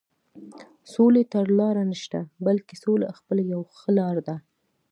سولې ته لاره نشته، بلکې سوله خپله یوه ښه لاره ده.